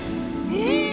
えっ！